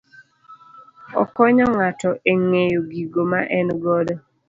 Okonyo ng'ato e ng'eyo gigo ma en godo